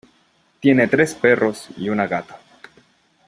Tiene tres perros y una gata.